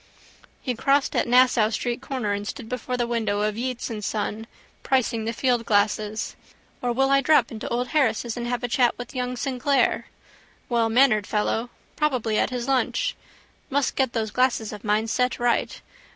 He crossed at Nassau street corner and stood before the window of Yeates and Son, pricing the fieldglasses. Or will I drop into old Harris's and have a chat with young Sinclair? Wellmannered fellow. Probably at his lunch. Must get those old glasses of mine set right.